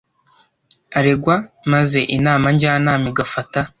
aregwa maze inama njyanama igafata